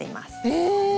え！